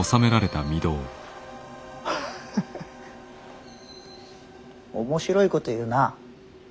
ハハッ面白いこと言うな。